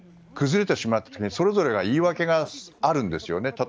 崩れてしまった国それぞれ言い訳があるんですよね。